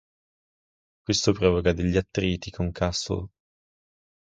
Questo provoca degli attriti con Castle.